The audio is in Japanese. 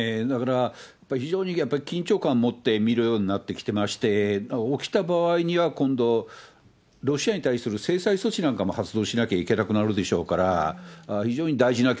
だから、非常にやっぱり緊張感持って見るようになってきてまして、起きた場合には、今度、ロシアに対する制裁措置なんかも発動しなきゃいけなくなるでしょそうですね。